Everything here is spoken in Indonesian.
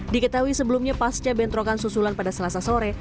diketahui sebelumnya pasca bentrokan susulan pada selasa sore